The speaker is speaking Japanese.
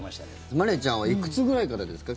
まりあちゃんはいくつぐらいからですか？